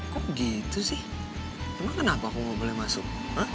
kok gitu sih emang kenapa aku nggak boleh masuk